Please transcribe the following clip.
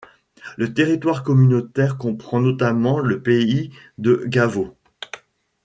Le territoire communautaire comprend notamment le Pays de Gavot.